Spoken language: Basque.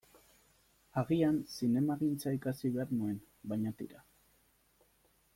Agian zinemagintza ikasi behar nuen, baina tira.